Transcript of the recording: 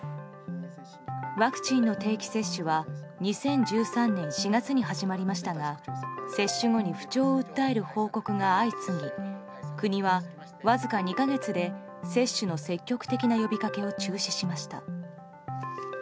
ワクチンの定期接種は２０１３年４月に始まりましたが接種後に不調を訴える報告が相次ぎ国はわずか２か月で接種の積極的な呼びかけを中止しました。